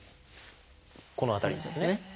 この辺りですね。